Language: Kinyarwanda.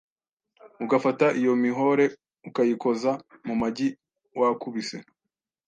Ugafata iyo mihore ukayikoza mu magi wakubise